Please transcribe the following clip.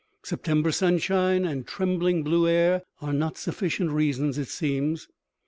September sunshine and trembling blue air are not sufficient reasons, it seems.